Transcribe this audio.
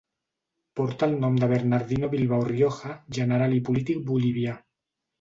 Porta el nom de Bernardino Bilbao Rioja, general i polític bolivià.